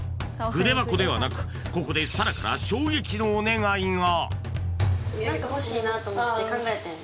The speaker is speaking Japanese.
筆箱ではなくここで紗来から衝撃のお願いが！